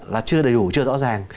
là chưa đầy đủ chưa rõ ràng